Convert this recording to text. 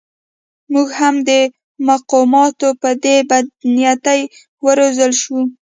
موږ هم د مقاماتو په دې بدنیتۍ و روزل شوو.